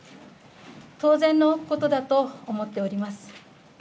当然のことだと思っております。